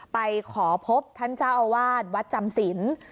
ไปขอพบท่านเจ้าอาวาสวัดจำศิลป์